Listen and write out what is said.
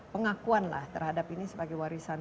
pengakuan lah terhadap ini sebagai warisan